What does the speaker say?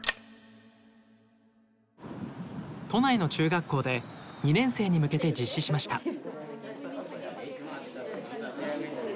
都内の中学校で２年生に向けて実施しました。